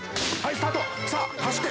スタート。